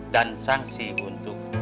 dan sanksi untuk